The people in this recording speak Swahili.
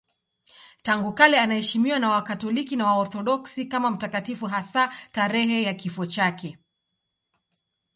Tangu kale anaheshimiwa na Wakatoliki na Waorthodoksi kama mtakatifu, hasa tarehe ya kifo chake.